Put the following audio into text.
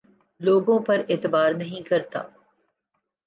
لوگوں پر اعتبار نہیں کرتا